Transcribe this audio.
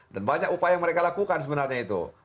dan banyak upaya yang mereka lakukan sebenarnya itu